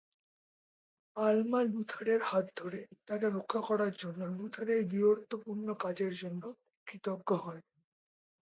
আলমা লুথারের হাত ধরে, তাকে রক্ষা করার জন্য লুথারের বীরত্বপূর্ণ কাজের জন্য কৃতজ্ঞ হয়।